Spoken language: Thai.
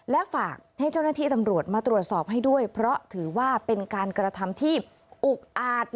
และฝากให้เจ้าหน้าที่ตำรวจมาตรวจสอบให้ด้วยเพราะถือว่าเป็นการกระทำที่อุกอาจ